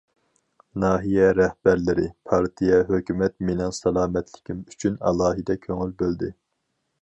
ناھىيە رەھبەرلىرى، پارتىيە، ھۆكۈمەت مېنىڭ سالامەتلىكىم ئۈچۈن ئالاھىدە كۆڭۈل بۆلدى.